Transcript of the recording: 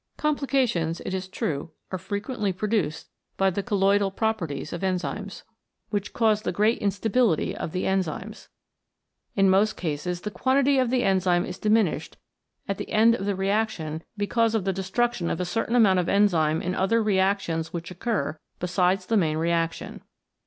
Complications, it is true, are frequently produced by the colloidal properties of enzymes, which cause the great instability of the enzymes. In most cases the quantity of the enzyme is diminished at the end of the reaction because of the destruction of a certain amount of enzyme in other reactions which occur besides the main reaction.